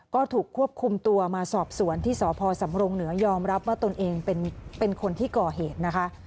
ก็ถูกควบคุมตัวมาสอบสวนที่สพสำรงเหนือยอมรับว่าตนเองเป็นคนที่ก่อเหตุนะคะ